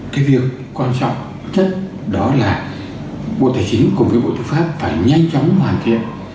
cái việc quan trọng nhất đó là bộ tài chính cùng với bộ tư pháp phải nhanh chóng hoàn thiện